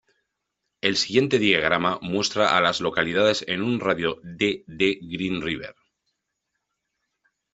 El siguiente diagrama muestra a las localidades en un radio de de Green River.